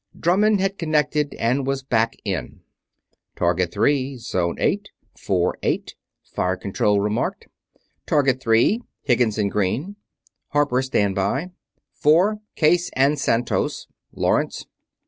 Drummond had connected and was back "in". "Target Three Zone Eight. Four eight," Fire Control remarked. "Target Three Higgins and Green; Harper stand by. Four Case and Santos: Lawrence."